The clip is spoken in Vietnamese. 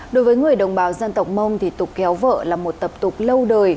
đối với người đồng bào dân tộc mông thì tục kéo vợ là một tập tục lâu đời